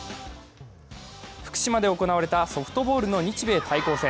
福島で行われたソフトボールの日米対抗戦。